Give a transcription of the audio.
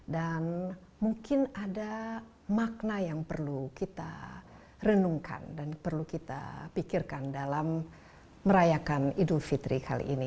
dan mungkin ada makna yang perlu kita renungkan dan perlu kita pikirkan dalam merayakan idul fitri kali ini